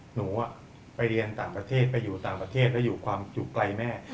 หนูไปเรียนต่างประเทศไปอยู่ต่างประเทศแล้วอยู่ความอยู่ไกลแม่